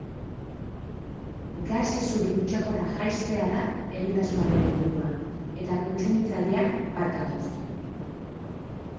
Gas isuri kutsakorrak jaistea da egitasmoaren helburua, eta kontsumitzaileak bat datoz.